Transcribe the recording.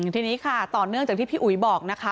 ทีนี้ค่ะต่อเนื่องจากที่พี่อุ๋ยบอกนะคะ